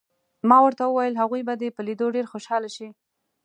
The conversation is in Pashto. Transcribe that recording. ما ورته وویل: هغوی به دې په لیدو ډېر خوشحاله شي.